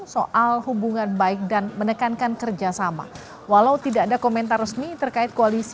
soal hubungan baik dan menekankan kerjasama walau tidak ada komentar resmi terkait koalisi